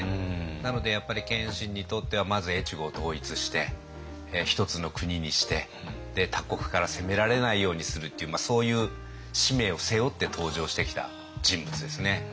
なのでやっぱり謙信にとってはまず越後を統一して一つの国にして他国から攻められないようにするっていうそういう使命を背負って登場してきた人物ですね。